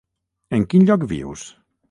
En quin lloc vius?